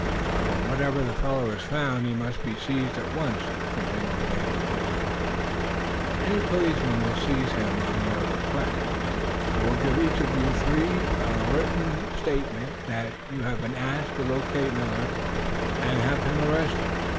"Wherever the fellow is found, he must be seized at once," continued Major Woodruff, warmly. "Any policeman will seize him on your request. I will give each of you three a written statement that you have been asked to locate Millard and have him arrested.